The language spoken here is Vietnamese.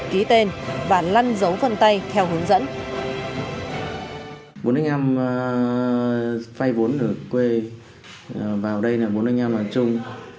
ký tên và lăn dấu vân tay theo hướng dẫn